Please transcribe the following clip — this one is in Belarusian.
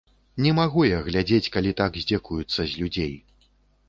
Не магу я глядзець, калі так здзекуюцца з людзей.